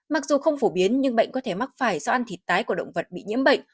mặc dù không phổ biến nhưng bệnh có thể mắc phải do ăn thịt tái của động vật bị nhiễm bệnh